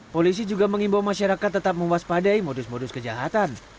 polisi juga mengimbau masyarakat tetap mewaspadai modus modus kejahatan